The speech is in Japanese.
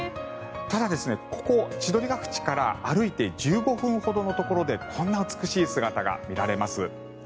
ただ、ここ、千鳥ヶ淵から歩いて１５分ほどのところでこんな美しい姿が見られます。